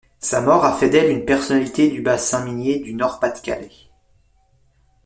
Sa mort a fait d'elle une personnalité du Bassin minier du Nord-Pas-de-Calais.